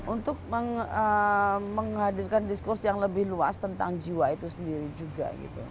untuk menghadirkan diskurs yang lebih luas tentang jiwa itu sendiri juga